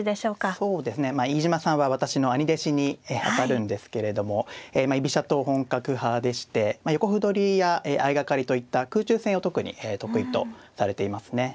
そうですね飯島さんは私の兄弟子にあたるんですけれども居飛車党本格派でして横歩取りや相掛かりといった空中戦を特に得意とされていますね。